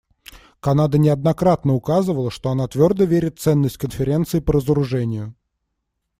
Канада неоднократно указывала, что она твердо верит в ценность Конференции по разоружению.